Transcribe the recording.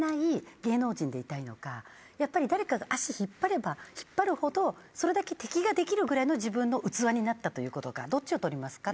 やっぱり誰かが足引っ張れば引っ張るほどそれだけ敵ができるぐらいの自分の器になったということかどっちを取りますか？